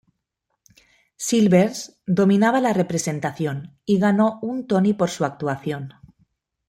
Silvers dominaba la representación, y ganó un Tony por su actuación.